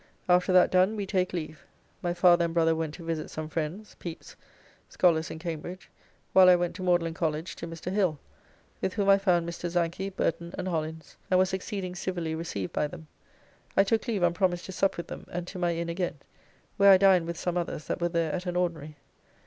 After that done, we take leave. My father and brother went to visit some friends, Pepys's, scholars in Cambridge, while I went to Magdalene College, to Mr. Hill, with whom I found Mr. Zanchy, Burton, and Hollins, and was exceeding civilly received by them. I took leave on promise to sup with them, and to my Inn again, where I dined with some others that were there at an ordinary.